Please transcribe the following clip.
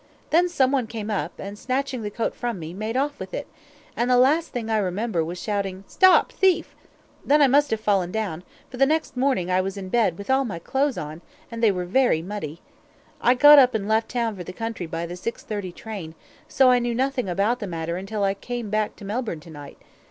Then some one came up, and, snatching the coat from me, made off with it, and the last thing I remember was shouting out: 'Stop, thief!' Then I must have fallen down, for next morning I was in bed with all my clothes on, and they were very muddy. I got up and left town for the country by the six thirty train, so I knew nothing about the matter until I came back to Melbourne to night.